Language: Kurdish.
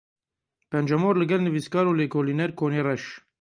Pencemor li gel nivîskar û lêkoliner Konê Reş.